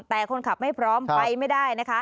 แต่คนขับไม่พร้อมไปไม่ได้นะคะ